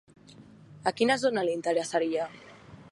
A quina zona li interessaria?